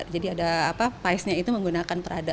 jadi ada apa paisnya itu menggunakan prada